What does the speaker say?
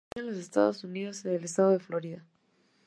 Se distribuye en los Estados Unidos en el estado de Florida.